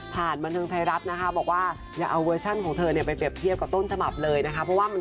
บันเทิงไทยรัฐนะคะบอกว่าอย่าเอาเวอร์ชันของเธอเนี่ยไปเปรียบเทียบกับต้นฉบับเลยนะคะเพราะว่ามัน